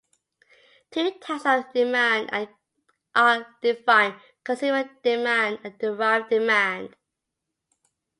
Two types of demand are defined: consumer demand and derived demand.